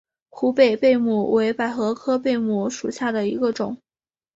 湖北贝母为百合科贝母属下的一个种。